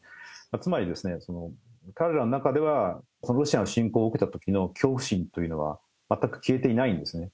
つまり、彼らの中では、ロシアの侵攻を受けたときの恐怖心というのは全く消えていないんですね。